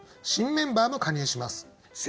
新メンバーも加入します。